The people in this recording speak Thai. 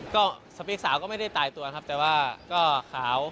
ก็สปีกสาวก็ไม่ได้ตายตัวครับแต่ว่าก็ขาว